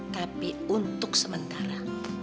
tapi untuk sementara